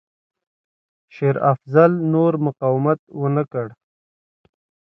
شېر افضل نور مقاومت ونه کړ.